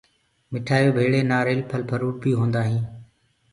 مٺآيو ڀيݪی نآريل ڦل ڦروٚ بي هوندآ هينٚ۔